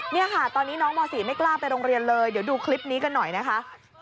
นี่ค่ะตอนนี้น้องม๔ไม่กล้าไปโรงเรียนเลยเดี๋ยวดูคลิปนี้กันหน่อยนะคะ